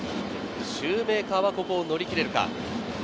シューメーカーはここを乗り切れるか？